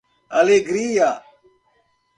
Alegria